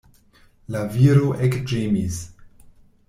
La viro ekĝemis.